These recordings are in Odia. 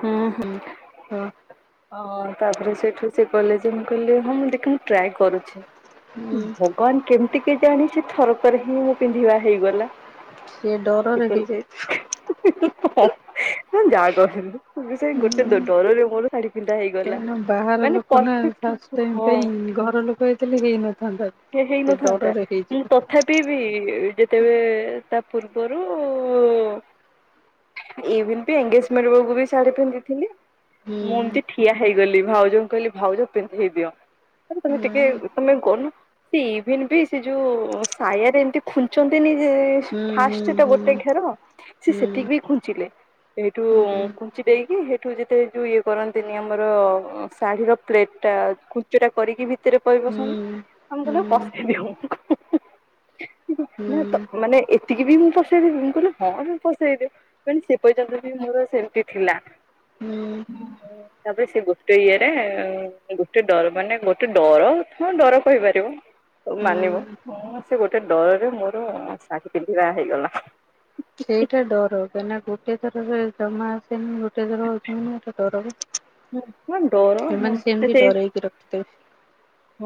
ହୁଁ-ହୁଁ। ହଁ ତାପରେ ସେଇଠୁ ସେ କହିଲେ ଯେ ମୁଁ କହିଲି ହଁ ମୁଁ ଦେଖି ମୁଁ ଟ୍ରାଏ କରୁଛି। ଭଗବାନ୍ କେମ୍ତି କେଜାଣି ସେ ଥରକରେ ହିଁ ମୁଁ ପିନ୍ଧିବା ହେଇଗଲା। ସିଏ ସେ ଡରରେ କହିଲେ ହେଇଯାଏ, ହୁଁ-ହୁଁ। ଯାହା [unintelligible] ମୁଁ ସେଇ ଗୋଟେ ଡରରେ ମୋର ଶାଢ଼ୀ କାହିଁକିନା ବାହାର ଲୋକ ନା ଫାଷ୍ଟ ଟାଇମ୍ ହଁ ପାଇଁ, ଘର ଲୋକ ହେଇଥିଲେ ହେଇନଥାନ୍ତା। ସିଏ ସେ ହେଇନଥାନ୍ତା, ଡରରେ ମୁଁ ହେଇଯିବ ଟୋ ତଥାପି ବି ଯେତେବେଳେ ତା ପୂର୍ବରୁ ଇଭିନ୍ ବି ଏନ୍ଗେଜମେଣ୍ଟ ବେଳକୁ ବି ଶାଢୀ ପିନ୍ଧିଥିଲି। ହୁଁ ମୁଁ ଏମ୍ତି ଠିଆ ହେଇଗଲି, ଭାଉଜଙ୍କୁ କହିଲି ଭାଉଜ ପିନ୍ଧେଇ ଦିଅ। ଖାଲି ତମେ ହୁଁ ଟିକେ ତମେ [unintelligible] ସେ ଇଭିନ୍ ବି ସେ ଯୋଉ ସାୟାରେ ଏମିତି ଖୁଛନ୍ତିନି ଯେ ହୁଁ ଫାର୍ଷ୍ଟ ଟା ହୁଁ ଗୋଟେ ଘେର ସେ ହୁଁ ସେତିକି ବି ଖୁଞ୍ଚିଲେ। ସେଇଠୁ ହୁଁ ହୁଁ ଖୁଞ୍ଚି ଦେଇକି ସେଇଠୁ ଯେତେ ଯୋଉ ଇଏ କରନ୍ତିନି ଆମର ଶାଢୀର ପ୍ଲେଟ ଟା ଖୁଞ୍ଚଟା କରିକି ଭିତେରେ ହୁଁ [unintelligible] ଆମେ ହୁଁ ହୁଁ କହିଲୁ ପସେଇ ଦିଅ, ହୁଁ-ହୁଁ-ହୁଁ। ନା ତ ହୁଁ ମାନେ ଏତିକି ବି ମୁଁ ପସେଇଦବି, ମୁଁ କହିଲି ହଁ ପସେଇଦିଅ। ଦେନ୍ ସେ ପର୍ଯ୍ୟନ୍ତ ବି ମୋର ସେମ୍ତି ଥିଲା। ହୁଁ। [inaudible] ତାପରେ ସେ ଗୋଟେ ଇଏରେ ଗୋଟେ ଡର ମାନେ ଗୋଟେ ଡର ହଁ ଡର କହିପାରିବ ମାନିବ। ହଁ ସେ ଗୋଟେ ଡରରେ ମୋର ଶାଢୀ ପିନ୍ଧିବା ହେଇଗଲା। ସେଇଟା ଡର କାହିଁକି ନା ଗୋଟେ ଥରରେ ଜମା ଆସେନି ଗୋଟେ ଥର ହଉଚି ମାନେ ଏଇଟା ଡର ବା। ହୁଁ ନା ଡର ହଁ ସେ ସେଇ ରଖି ତ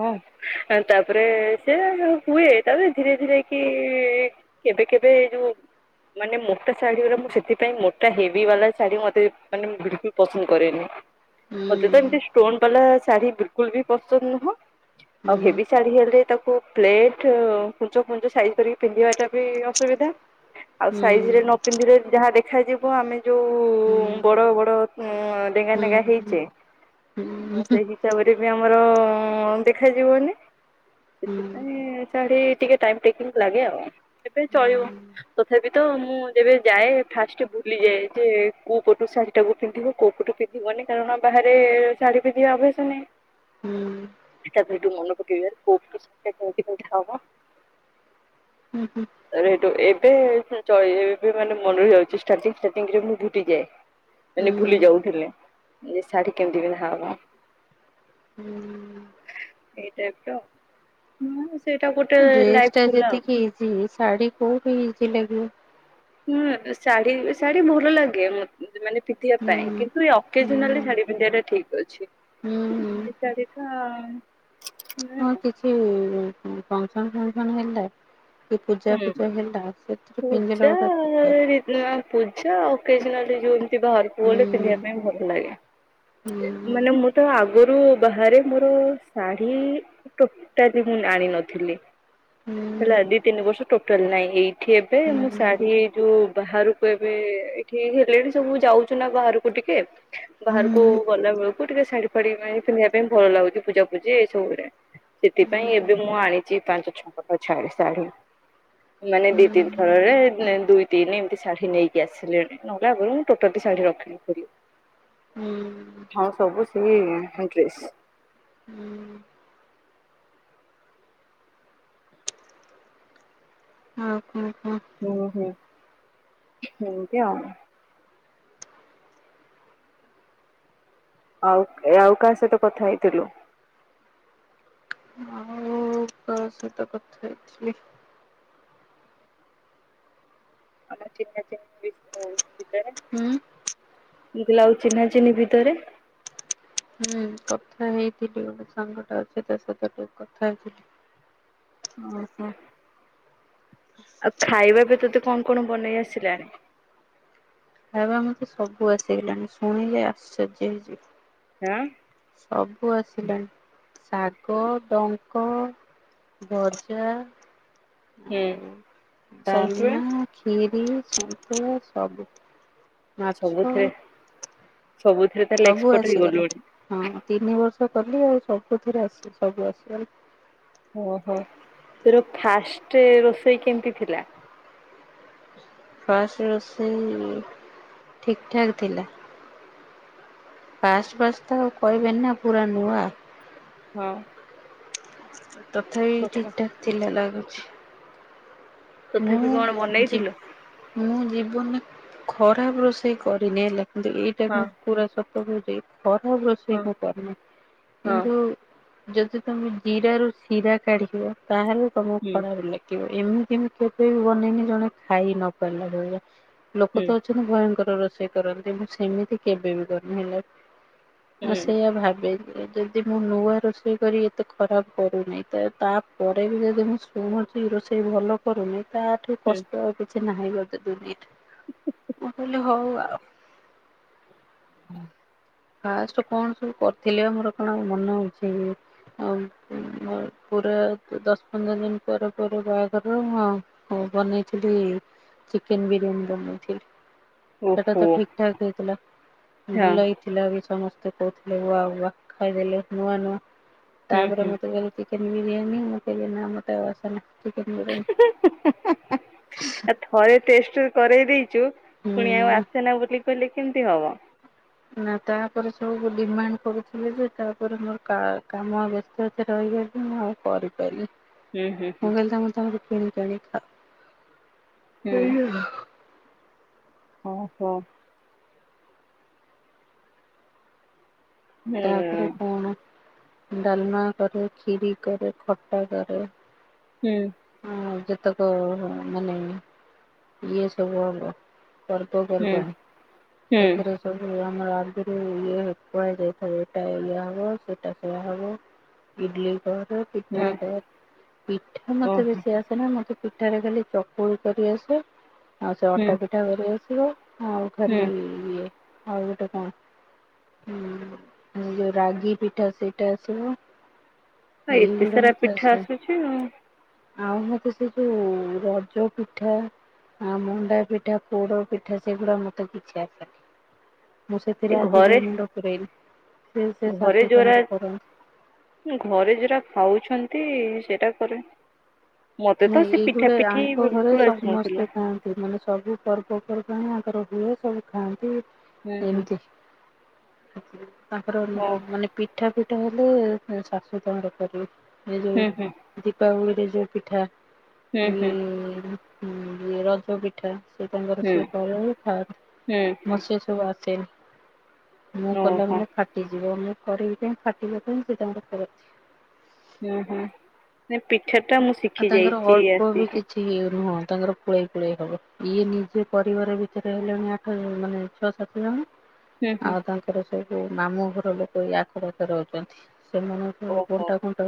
ହଁ ତାପରେ ସେ ହୁଏ ତାପରେ ଧୀରେ ଧୀରେ କି କେବେ କେବେ ଏ ଯୋଉ ମାନେ ମୋଟା ଶାଢୀ ଗୁରା ମୁଁ ସେଥିପାଇଁ ମୋଟା ହେଭି ବାଲା ଶାଢୀ ମତେ ମାନେ ବିଲକୁଲ ପସନ୍ଦ କରେନି। ମୋତେ ତ ହୁଁ ଏମିତି ଷ୍ଟୋନ୍ ବାଲା ଶାଢୀ ବିଲକୁଲ ବି ପସନ୍ଦ ନୁହଁ। ହୁଁ ଆଉ ହେଭି ଶାଢୀ ହେଲେ ତାକୁ ପ୍ଲେଟ କୁଞ୍ଚ ଫୁଞ୍ଚ ସାଇଜ କରିକି ପିନ୍ଧିବା ଟା ବି ଅସୁବିଧା। ଆଉ ହୁଁ ସାଇଜ ରେ ନ ପିନ୍ଧିଲେ ଯାହା ଦେଖାଯିବ ଆମେ ଯୋଉ ହୁଁ ବଡ ବଡ ଉଁ ଡେଙ୍ଗା ହୁଁ ଡେଙ୍ଗା ହେଇଚେ ହୁଁ ହୁଁ ସେଇ ହିସାବରେ ବି ଆମର ଦେଖାଯିବନି। ଡ୍ରେସ ସେଥିପାଇଁ ଶାଢି ଟିକେ ଟାଇମ୍ ଟେକିଙ୍ଗ୍ର ରସକି ଲାଗେ ଆଉ ଏବେ ଚଳିବ। ତ୍କ ତଥାପି ତ ମୁଁ ଯେବେ ଯାଏ ଫାଷ୍ଟ ଭୁଲିଯାଏ ଯେ କୋଉ ପଟୁ ସାଢୀ ଟାକୁ ପିନ୍ଧିବି କୋଉ ପଟୁ ପି ଯିବନି କାରଣ ବାହାରେ ଶାଢ଼ୀ ପିନ୍ଧିବା ଅଭ୍ୟାସ ନାହିଁ। ହୁଁ ତା'ପରେ ହେଠୁ ମନେ ପକେଇଲି ଆରେ କୋଉଠି [unintelligible] ହବ। ହୁଁ ହୁଁ ଏବେ ଏଠୁ ଏବେ ଚ ଏବେ ମାନେ ମନେରହିଯାଉଛି ଷ୍ଟାଟିଙ୍ଗ ଷ୍ଟାଟିଙ୍ଗରେ ମୁଁ ଭୁଲିଯାଏ। ମାନେ ଭୁଲି ଯାଉଥିଲେ ଶାଢୀ କେମିତି [unintelligible] ହୁଁ ଏଇଟାଇପ ର ହୁଁ ସେଇଟା ଗୋଟେ ଲାଇଫ ଥିଲା ଆଉ ଇଏ ଶାଢ଼ୀ କୋଉଠି ଇଜି ଲାଗିବ। ହୁଁ ଶାଢୀ ଶାଢୀ ଭଲ ଲାଗେ ମୋତ ମାନେ ପିନ୍ଧିବା ହୁଁ ପାଇଁ କିନ୍ତୁ ହୁଁ ଏକେଜନାଲି ଶାଢୀ ପିନ୍ଧିବାଟା ଠିକ୍। ଅଛି। ହୁଁ ହୁଁ ଏ ଶାଢ଼ୀ ଟା ଆମ୍ ହଁ କିଛି ଫଙ୍କସନ ଫଙ୍କସନ ହେଲା କି ହୁଁ। ପୂଜାଫୂଜା ହେଲା ସେଥିରେ ପିନ୍ଧିଲେ ଗୋଟା ପ୍ରକାର। ନା ପୂଜା ଓକେଜନାଲି ଯୋଉ ଘରକୁ ହୁଁ ଗଲେ ପିନ୍ଧିବା ପାଇଁ ଭଲ ଲାଗେ। ହୁଁ ମାନେ ମୁଁ ତ ଆଗରୁ ବାହାରେ ମୋର ଶାଢୀ ଟୋଟାଲି ମୁଁ ଆଣି ନଥିଲି। ହୁଁ ହେଲା ହୁଁ ଦି ତିନି ବର୍ଷ ଟୋଟାଲ ନାହିଁଁ। ଏଇଠି ଏବେ ହୁଁ ମୁଁ ଶାଢୀ ଯୋଉ ବାହାରକୁ ଏବେ ଏଠି ହେଲେଣି ସବୁ ଯାଉଛୁ ନା ବାହାରକୁ ଟିକେ ବାହାରକୁ ହୁଁ ଗଲା ବେଳକୁ ଟିକେ ଶାଢୀ ଫାଡି ପିନ୍ଧିବା ପାଇଁ ଭଲ ଲାଗୁଚଛି ପୂଜାପୂଜି ଏଇ ସବୁରେ ହୁଁ ସେଥିପାଇଁ ଏବେ ମୁଁ ଆଣିଛି ପାଞ୍ଚ ଛଅଟା ଛା ଶାଢୀ। ମାନେ ଦି ତିନି ଥରରେ ଦୁଇ ତିନି ଏମିତି ଶାଢୀ ନେଇକି ଆସିଲିଣି। ନହେଲେ ଆଗରୁ ମୁଁ ଟୋଟାଲି ଶାଢୀ ରଖିନଥିଲି। ହୁଁ ହଁ ସବୁ ସିଏ ହାଙ୍କଲେସ୍। ହୁଁ ହଁ ହଁ ହଁ ହୁଁ ହୁଁ ସେମତି ଆଉ ଆଉ ଆଉ କାହା ସହିତ କଥା ହେଇଥିଲୁ? ଆଉ ତୋ ସହିତ କଥା ହେଇଥିଲି। ଆମ ଚିହ୍ନା ଚିହ୍ନି [unintelligible] ଥିବେ। ହୁଁ ମୁଁ କହିଲି ଆଉ ଚିହ୍ନା ଚିହ୍ନି ଭିତରେ ଏ କଥା ହେଇକି ଟି ଗୋଟେ ସାଙ୍ଗଟେ ଅଛି ତା ସହିତ ଟିକେ କଥା ହେଇଥିଲି। ଆଉ ଖାଇବା ବି ତତେ କଣ କଣ ବନେଇ ଆସିଲା? ଖାଇବା ମତେ ସବୁ ଆସିଗଲାଣି ଶୁଣିଲେ ଆଶ୍ଚର୍ଯ୍ୟ ହେଇଯି ଏଅଁ ସବୁ ଆସିଲାଣି ଶାଗ, ଡଙ୍କ ଭଜା ହୁଁ ଆଉ ସନ୍ତୁଳା ଡାଲମା ଖିରି, ସନ୍ତୁଳା ସବୁ ମାଛ। ସବୁଥିରେ ସବୁଥିରେ ତାହେଲେ ସବୁ ଏକ୍ସପର୍ଟ ଆସିଗଲା। ହେଇଗଲୁଣି? ହଁ ତିନି ବର୍ଷ କଲି ଆଉ ସବୁଥିରେ ଆସି ସବୁ ଆସିଲାଣି। ଓହୋ ତୋର ଫାଷ୍ଟେ ରୋଷେଇ କେମତି ଥିଲା? ଫାଷ୍ଟେ ରୋଷେଇ ଠିକ୍ ଠାକ୍ ଥିଲା। ଫାଷ୍ଟ୍ ଫାଷ୍ଟ୍ ତ ଆଉ କହିବେନି ନା ପୁରା ନୂଆ। ହଁ। ତଥାପି ତଥା ଠିକ୍ ଠାକ୍ ଥିଲା ଲାଗୁଛି। ମୁଁ ତଥାପି ଆ କଣ ଯି ବନେଇଥିଲୁ? ମୁଁ ଜୀବନରେ ଖରାପ ରୋଷେଇ କରିନି ହେଲା କିନ୍ତୁ ଏଇଟା ହଁ କଁ ପୁରା ସ ତରେରେ ଖରାପ ହଁ ରୋଷେଇ ମୁଁ କରନେଇ ହଁ କିନ୍ତୁ ଯଦି ତମେ ଜିରାରୁ ଶିରା କାଢ଼ିବ ତାହେଲେ ତମୁ ହୁଁ ଖରାପ ଲାଗିବ। ଏମି ତି ମୁଁ କେବେ ବି ବନେଇନି ଜଣେ ଖାଇ ନ ପାରିଲା ଭଳିଆ ଲୋକ ହୁଁ ତ ଅଛନ୍ତି ତୁମୁ ଭୟଙ୍କର ରୋଷେଇ କରନ୍ତି ମୁଁ ସେମିତି କେବେ ବି କରନି ହେଲା। ମୁଁ ହୁଁ ସେଇଆ ଭାବେ। ଏଇଟା ଯଦି ମୁଁ ନୂଆ ରୋଷେଇ କରି ଏତେ ଖରାପ କରୁନେଇ ତ ତାପରେ ବି ଯଦି ମୁଁ କୁହନ୍ତି ରୋଷେଇ ଭଲ କରୁନେଇ ତାଠୁ ହୁଁ କଷ୍ଟ ଆଉ କିଛି ନାହିଁ ଗୋଟେ ଦୁନୀରେ ମୁଁ କହିଲି ହଉ ଆଉ ଫାଷ୍ଟ କଣ ସବୁ କରିଥିଲି ବା ମୋର କଣ ଆଉ ମନ ଅଛି କି? ଆଉ ପୁ ମ ପୁରା ଦଶ ପନ୍ଦର ଦିନ ପରେ ପରେ ବାହାଘରର ମୁଁ ଆଉ ହଁ ବନେଇଥିଲି ଚିକେନ୍ ବିରିୟାନୀ ବନେଇଥିଲି। ସେଟା ଓହୋ ତ ଠିକ୍ ଠାକ୍ ହେଇଥିଲା ହଁ ଭଲଲାଇ ଥିଲା ବି ସମସ୍ତେ କହୁଥୁଲେ ୱାଆ ୱାଆ ଖାଇ ଦେଲେ ନୂଆ ନୂଆ ହୁଁ ତାପରେ ମତେ କହିଲେ ଚିକେନ୍ ବିରିୟାନୀ ମତେ ବିନା ମତେ ଆଉ ଅସେନା। ଚିକେନ୍ ହୁଁ। ବିରିୟାନୀ। ଆ ଥରେ ଟେଷ୍ଟ କରେଇ ଦେଇଚୁ ଫୁଣି ଆଉ ହୁଁ ଆସେନା ବୋଲି କହିଲେ କେମିତି ହବ? ନାଁ ତାପରେ ସବୁ ଡିମାଣ୍ଡ କରୁଥୁଲେ ଯେ ତାପରେ ମୋର କା କାମ ବ୍ୟସ୍ତ ତା ରହିଯାଉଚି ମୁଁ ଆଉ କରି କଇଲି ହୁଁ ହୁଁ ମୁଁ ହୁଁ କହିଲି ତମେ ତମର କିଣିକି ଆଣି ଖାଅ। ହୁଁ ଏଇ ଆହ ଅଁ ସ ହୁଁ ତାପରେ ହୁଁ କଣ ଡାଲମା କରେ, ଖିରି କରେ, ଖଟା କରେ। ହୁଁ। ଆଉ ଯେତେକ ହଁ ମାନେ ଇଏ ସବୁ ହଲା ହୁଁ ପର୍ବପର୍ବାଣୀ ସେଥିରେ ସବୁ ଆମର ଆଗୁରୁ ଇଏ ହେ ଖୁଆଇ ଦେ ହୋ ଏଟା ଏଇଆ ହବ ସେଟା ସେଇଆ ହବ ଇଡ଼ିଏ ଖ ଓ ପିଠା ହୁଁ ଖାଇଆ। ପିଠା ମତେ ଓହୋ ବେଶି ଆ ସେନା ମତେ ପିଠାରେ ଖାଲି ଚକୁଳି କରି ଆସିବ ଆଉ ସେ ହୁଁ ଅଟା ପିଠା କରି ଆସିବ। ଆଉ ହୁଁ ଖାଲି ଇଏ ଆଉ ଗୋଟେ କଣ ହୁଁ ରାଗି ପିଠା ସେଇଟା ଆସିବ। ଏଇ ଏତେ ସାରା ପିଠା ଗଡ଼ମଥାସ [inaudible] ଆସୁଛି ଆଉ ଆଉ ମତେ ସେ ଯୋଉ ରଜ ପିଠା ହଁ ମଣ୍ଡା ପିଠା ପୋଡ ପିଠା ସେଗୁଡା ମତେ କିଛି ଆସେନି। ମୁଁ ସେଥିରେ ଏ ଆଜି ଘରେ ଯାଏ ମୁଣ୍ଡ ପୂରେଇନି। ଘରେ ଜଉରା ଘରେ ଯଉରା ଖାଉଛନ୍ତି ସେରା କରେ। ମତେ ତ ନାଇଁ ସେ ପିଠା ଏଇଗୁଟେ ପିଠି ଆଙ୍କ ଘରେ ବିଲକୁଲୁ ସମସ୍ତେ ଆସୁନଥିଲା। ଖାଆନ୍ତି ମାନେ ସବୁ ପର୍ବପର୍ବାଣି ଆଙ୍କର ହୁଏ ସବୁ ଖାଆନ୍ତି ହୁଁ ହୁଁ ଏମିତି ତାଙ୍କର ହୁଁ। ମାନେ ପିଠା ପିଠା ହେଲେ ଶାଶୁ ତାଙ୍କର କରିବେ ଏ ହୁଁ ହୁଁ ଯୋଉ ଦୀପାବଳି ରେ ଯୋଉ ପିଠା ହୁଁ ହୁଁ। ଇଏ ରଜ ପିଠା ସିଏ ତାଙ୍କର ହୁଁ ସିଏ କରାହୁଏ ଖାଅ ହୁଁ ହୁଁ ମସେସ ଆସେନି ମୁଁ କଲା ଓହୋ ମାନେ ଫାଟ ଫାଟିଯିବ ମୁଁ କରିବି କାଇଁ ଫାଟିବ କାଇଁ ସେତାଙ୍କର କରନ୍ତି। ହୁଁ ହୁଁ ସେ ପିଠାଟା ମୁଁ ଶିଖି ଯାଇଛି ଆସିକି। ହଁ ତାଙ୍କର ପୁଳେଇ ପୁଳେଇ ହବ ଇଏ ନିଜେ ପରିବାର ଭିତରେ ହେଲେଣି ଆଠ ମାନେ ଛଅ ସାତ ଜଣ ହୁଁ ହୁଁ। ଆଉ ତାଙ୍କର ସବୁ ମାମୁଁ ଘର ଲୋକ ଇୟାକ ରହୁଛନ୍ତି ସେମାନଙ୍କ ଓହୋ ବଣ୍ଟା କୁଣ୍ଟା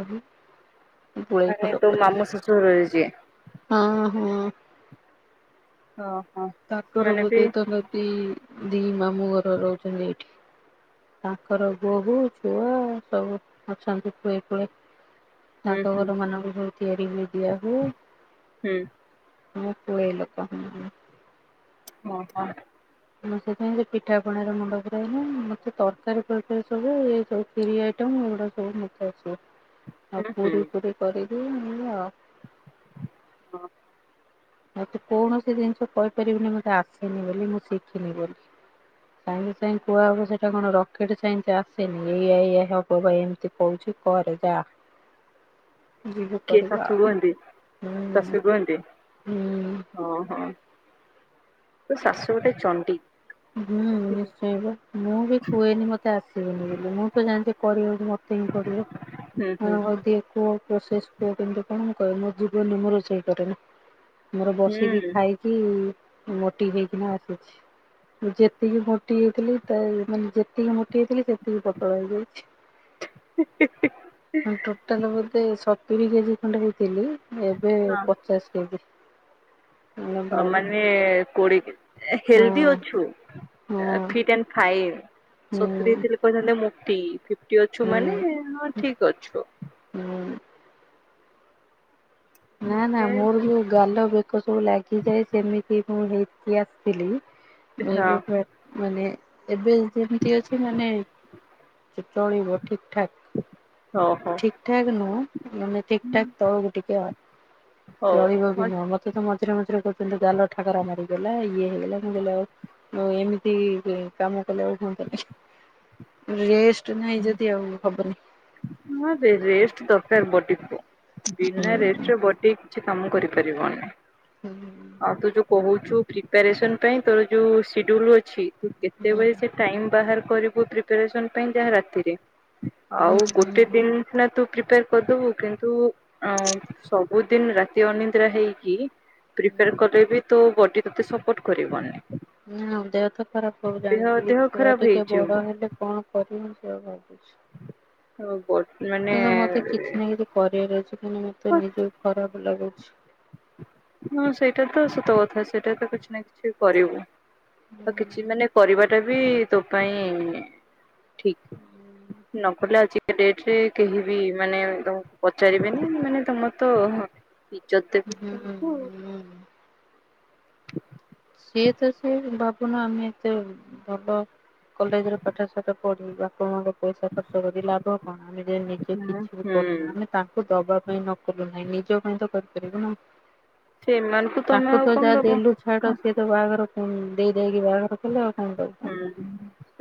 ହୁଏ। ମାନେ ତୋ ମାମୁଁ ସଶୁର ରହିଛି। ହଁ ହଁ। ହଁ। ତାଙ୍କର ବୋଧେ ତ ଦିଦି ମାମୁଁ ଘର ରହୁଛନ୍ତି ଏଇଠି। ତାଙ୍କର ବୋହୂ ପୁଅ ସବୁ ଅଛନ୍ତି ପୁଳେ ପୁଳେ। ହୁଁ ତାଙ୍କ ହୁଁ ଘର ମାନଙ୍କୁ ସବୁ ତିଆରି ହୁଏ ଦିଆ ହୁଏ। ହୁଁ ହଁ ପୁଳେଇ ଲୋକ। ହଁ ହଁ। ମୁଁ ସେଥିପାଇଁ ସେ ପିଠା ପଣାରେ ମୁଣ୍ଡ ପୁରାଏନି ମତେ ତରକାରୀ ଫରକାରି ସବୁ ଏ ସବୁ ଖିରି ଆଇଟମ ଏଗୁଡାକ ସବୁ ମତେ ଆସିବ ଆଉ ପୁରୀ ହୁଁ। ଫୁରୀ କରିବି ଏମିତି ଆଉ। ହଁ। ମତେ କୌଣସି ଜିନିଷ କହିପାରିବିନି ମତେ ଆସିନି ବୋଲି ମୁଁ ଶିଖିନି ବୋଲି। ସାଙ୍ଗେ ସାଙ୍ଗେ କୁହାହବ ସେଇଟା କଣ ରକେଟ ସାଇନ୍ସ ଆସେନି ଏଇଆ ଇଆ ହବ ବା ଏମତି। ଏ କହୁଛି କରେ ଯା। ଯିବୁ କିଏ କରିବା ସାସୁ ଆଉ କୁହନ୍ତି ହୁଁ ସାସୁ କୁହନ୍ତି? ହୁଁ। ହଁ ହଁ ତୋ ଶାଶୁ ଗୋଟେ ଚଣ୍ଡି। ହୁଁ ନିଶ୍ଚୟପା। ମୁଁ ବି କୁହେନି ମୋତେ ଆସିବନି ବୋଲି ମୁଁ ତ ଜାଣିଛି କରିିବାକୁ ମତେ ହିଁ ପଡ଼ିବ। ହ ହୁଁ ହଉ ଟିକେ କୁହ ପ୍ରୋସେସ ପୁଅ କିନ୍ତୁ କଣ କହେ ମୋ ଜୀବନେ ମୁଁ ରୋଷେଇ କରେନି ମୋର ବସିକି ହୁଁ ଖାଇ କି ମୋଟି ହେଇକିନା ଆସିଛି। ମୁଁ ଯେତିକି ମୋଟି ହେଇଥିଲି ତା ମାନେ ଯେତିକି ମୋଟି ହେଇଥିଲି ସେତିକି ପତଳା ହେଇଯାଇଛି। ହି ହି ହି। ମାନେ ଟୋଟାଲ ବୋଧେ ସତୁରି କେଜି ଖଣ୍ଡେ ହେଇଥିଲି ଏବେ ହଁ ପଚାଶ କେଜି। ମାନେ ଆ ଭାବେ ମାନେ କୋଡି ହେଲଦି ହଁ ଅଛୁ ହଁ ଫିଟ୍ ଆଣ୍ଡ ଫାଇନ, ହୁଁ ସତୁୁରି ଥିଲେ କହିଥାନ୍ତେ ମୋଟି-ଇ। ଅଛୁ ମାନେ-ଏ, ହୁଁ ହଁ ଠିକ ଅଛୁ। ହୁଁ। ନା ନା ମୋର ଯୋଉ। ଗାଲ ବେକ ସବୁ ଲାଗିଯାଏ, ସେମିତି ମୁଁ ହେଇକି ଆସିଥିଲି, ମୁଁ ହଁ ଏବେ ପୁରା ମାନେ ଏବେ ଯେମିତି ଅଛି ମାନେ, ଚଳିବ ଠିକ ଠାକ। ଓହୋ। ଠିକ ଠାକ ନୁହଁ, ଆମେ ଠିକ ଠାକ ତଳୁକୁ ଟିିକେ ଆଉ। ଚଳିବ ବି ହଉ। ନୁହଁ। ମତେ ତ ମଝିରେ ମଝିରେ କହୁଛନ୍ତି ଗାଲ ଠାକରା ମାରିଗଲା, ଇଏ ହେଇଗଲା। ମୁଁ କହିଲି ଆଉ ମୁଁ ଏମିତି କାମ କଲେ ଆଉ ହୁଅନ୍ତା ନି। ରେଷ୍ଟ ନାଇଁ ଯଦି ଆଉ ହବନି। ନା ରେଷ୍ଟ ଦରକାର ବଡିକୁ। ହୁଁ ବିନା ରେଷ୍ଟରେ ବଡି ଠିକ କିଛି କାମ କରିପାରିବନି। ହୁଁଁ ଆଉ ତୁ ଯୋଉ କୋହୁଛୁ ପ୍ରିପାରେସନ ପାଇଁ, ତୋର ଯୋଉ ସିଡ୍ୟୁଲ ଅଛି, ତୁ ହୁଁ କେତେବେଳେ ସେଇ ଟାଇମ ବାହାର କରିବୁ ପ୍ରିପାରେସନ ପାଇଁ ଯାହା ରାତିରେ। ଆଉ ହୁଁ ଗୋଟେ ହୁଁ। ଦିନ ସିନା ତୁ ପ୍ରିପାର କରିଦବୁ, କିନ୍ତୁ ସବୁଦିନ ରାତି ଅନିଦ୍ରା ହେଇକି ପ୍ରିପାର କଲେ ବି, ତୋ ବଡି ତତେ ସପୋର୍ଟ କରିବନି। ନା ଦେହ ତ ଖରାପ ହବ ଦେହ ଜାଣିଛି, ଦେହ ଛୁଆ ଖରାପ ଟିକେ ହେଇଯିବ। ବଡ ହେଲେ କଣ କରିିମି ସେଇୟା ଭାବୁଚି। ହଁ ବଡ ମାନେ କିଛି ନା କିଛି କରିବାର ଅଛି, କିନ୍ତୁ ମତେ ନିଜକୁ ଖରାପେ ଲାଗୁଛି। ହଁ ସେଇଟା ତ ସତ କଥା, ସେଇଟା ତ କିଛି ନା କିଛି କରିବୁ। ଆଉ କିଛି ମାନେ କରିବା ଟା ବି ତୋ ପାଇଁ ଠିକ୍, ନକଲେ ଆଜି ଡେଟ୍ରେ କେହିିବି ମାନେ ତମକୁ ପଚାରିବେନି ମାନେ ତମର ତ ଇଯତ୍ ଦେବେ ହୁଁ ହୁଁ। ସିଏ ତ ସିଏ, ଭାବୁନ ଆମେ ଏତେ ଭଲ କଲେଜରେ ପାଠ ଶାଠ ପଢି ବାପମାଆଙ୍କ ପଇସା ଖର୍ଚ୍ଚ କରି, ଲାଭ କଣ? ଆମେ ଯେ ନିଜେ ହୁଁ। କିଛି ବି କରୁନା ଆମେ ତା ଦବା ପାଇଁ ନକଲୁ ନାହିଁ, ନିଜ ପାଇଁ ତ କରିପାରିବୁ ନା? ସେମାନଙ୍କୁ ତମେ ତାଙ୍କୁ ଆଉ ତ କଣ ଯାହା ଦବ ଦେଲୁ ଛାଡ, ସିଏ ତ ବାହାଘର ପୁଣି ଦେଇ ଦାଇକି ବାହାଘର କଲେ ଆଉ କଣ ହୁଁ। କରିବୁ।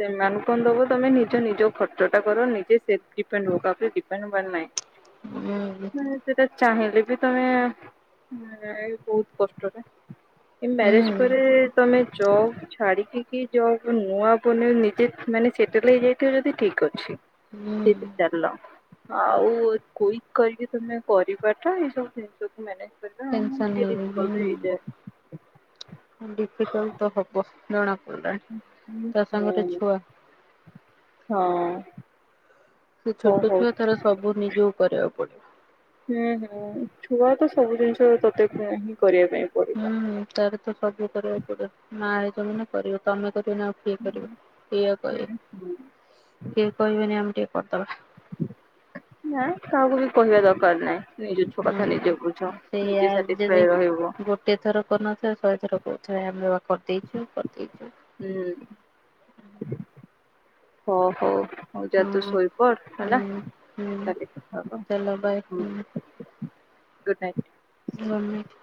ସେମାନଙ୍କୁ କଣ ଦବ, ତମେ ନିଜ ନିଜ ଖର୍ଚ୍ଚ ଟା କର, ନିଜେ ସେପ ଡିପେଣ୍ଡ ହୁଅ। କାହା ଉପରେ ଡିପେଣ୍ଡ ହବାର ନାହିଁ। [unintelligible] ସେଟା ଚାହିଁଲେ ବି ତମେ, ଏଁ ବହୁତ କଷ୍ଟରେ ଏ ହୁଁ ମ୍ୟାରେଜ୍ ହୁଁ। ପରେ, ତମେ ଜବ୍ ଛାଡ଼ିିକି କି ଜବ୍ ନୂଆ ବନେଇ ନିଜେ ମାନେ ସେଟଲ୍ ହେଇଯାଇଥିବ ଯଦି ଠିକ୍ ଅଛି। ହୁଁ ସେଇଥିରେ ଚାଲୀଲ। ଆଉ କ୍ୱିକ୍ କରିକି ତମେ କରିବାଟା, ଏଇ ସବୁ ଜିନିଷକୁ ମାନେଜ ଟେନ୍ସନ୍ ହେଇକି ହୁଁ, ଡିଫିକଲ୍ଟ ତ ହବ ଜଣା ପଡିଲାଣି ହୁଁ ତା ହୁଁ ସାଙ୍ଗରେ ହୁଁ ଛୁଆ ହଁ। ତୁ ହଉ ଛୋଟ ହଉ। ଛୁଆ ତାର ସବୁ ନିଜକୁ କରିବାକୁ ପଡିବ। ହୁଁ ହୁଁ, ଛୁଆ ତ ସବୁ ଜିନିଷ ତତେ ହୁଁ ହିଁ କରିବା ପାଇଁ ପଡ ହୁଁ, ତାର ତ ସବୁ କରିବାକୁ ପଡିବ। ମା ହେଇଚ ମାନେ କରିବ ତମେ କରିବନି ଆଉ କିଏ କରିବେ, ଏଇଆ ହୁଁ କହିବେ। ହୁଁ କିଏ କହିବେନି ଆମେ ଟିକେ କରିଦବା। ନାଁ କାହାକୁ ବି କହିବା ଦରକାର ନାଇ। ନିଜ ଛୁଆ କଥା ନିଜେ ହୁଁ। ବୁଝ ନିଜେ ସାଟିସ୍ଫାଏ ରହିବ। ଗୋଟଏ ଥର କରିନଥିବେ, ଶହେ ଥର କହୁଥିବେ ଆମେ ବା କରିଦେଇଚୁ କରିଦେଇଚୁ। ହୁଁ, ହ ହୋଉ। ହୋଉ ଯା ତୁ ହଁ ଶୋଇପଡ୍ ହୁଁ ହେଲା, ହୁଁ କାଲି କଥା ହବା ଆଉ ଚାଲ ବାଏ ହୁଁ। Good night. Good night.